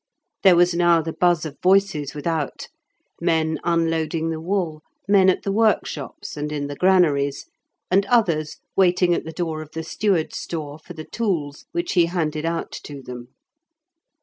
There was now the buzz of voices without, men unloading the wool, men at the workshops and in the granaries, and others waiting at the door of the steward's store for the tools, which he handed out to them.